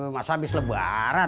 masa abis lebaran